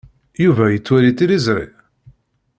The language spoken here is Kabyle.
Yuba yettwali tiliẓri?